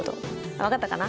分かったかな？